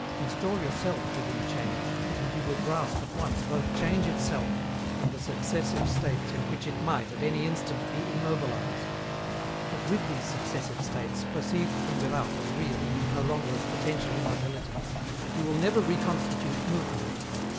Install yourself within change, and you will grasp at once both change itself and the successive states in which it might at any instant be immobilized. But with these successive states, perceived from without as real and no longer as potential immobilities, you will never reconstitute movement.